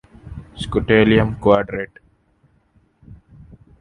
Scutellum quadrate.